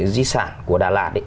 di sản của đà lạt